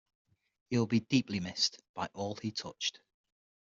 He will be deeply missed by all he touched.